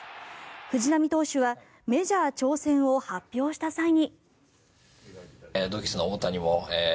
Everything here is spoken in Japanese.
藤浪投手はメジャー挑戦を発表した際に。